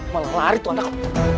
waduh malah lari tuh anak